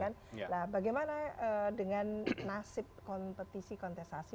nah bagaimana dengan nasib kompetisi kontestasi